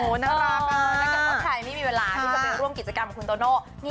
แล้วก็ใครไม่มีเวลาที่จะไปร่วมกิจกรรมของคุณโตโน่